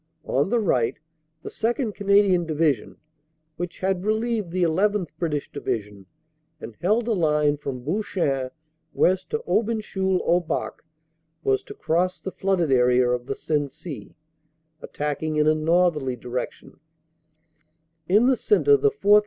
On the right, the 2nd. Canadian Division, which had relieved the llth. British Division and held a line from OPERATIONS: OCT. 6 16 331 Bouchain west to Aubencheul au Bac, was to cross the flooded area of the Sensee, attacking in a northerly direction; in the centre, the 4th.